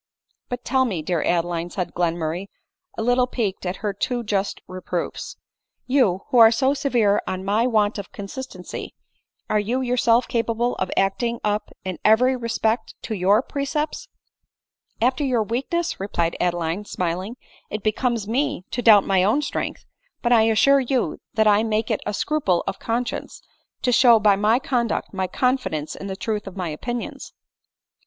" But tell me, dear Adeline," said Glenmurray, a little piqued at her too just reproofs, " you, who are so severe on my want of consistency, are you yourself capable of acting up in every respect to your precepts ?"" After your weakness," replied Adeline, smiling, " it becomes me to doubt my own strength ; but 1 assure you that I make it a scruple of conscience, to show by my conduct my confidence in the truth of my opinions."